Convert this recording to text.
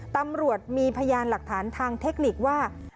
ตำรวจมีพยานหลักฐานทางเทคนิคว่า